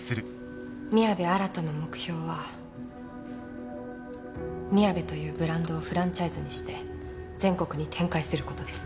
宮部新の目標はみやべというブランドをフランチャイズにして全国に展開する事です。